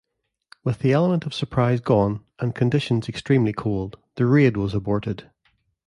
With the element of surprise gone, and conditions extremely cold, the raid was aborted.